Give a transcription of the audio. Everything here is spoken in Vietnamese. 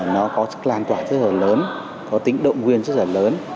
nó có sức lan toàn rất là lớn có tính động nguyên rất là lớn